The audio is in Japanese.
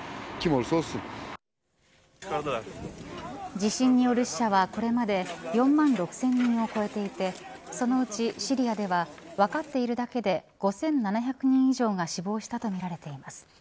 地震による死者はこれまで４万６０００人を超えていてそのうちシリアでは分かっているだけで５７００人以上が死亡したとみられています。